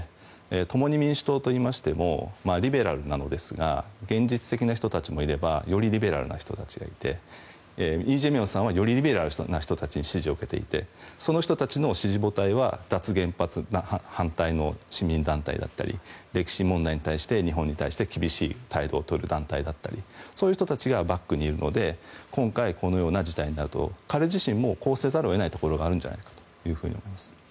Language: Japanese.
共に民主党といいましてもリベラルなのですが現実的な人たちもいればよりリベラルな人たちがいてイ・ジェミョンさんはよりリベラルな人たちに支持を受けていてその人たちの支持母体は脱原発、反対の市民団体だったり歴史問題に対して、日本に対して厳しい態度を取る団体だったりそういう人たちがバックにいるので今回、このような事態になると彼自身もこうせざるを得ないところがあるんじゃないかと思います。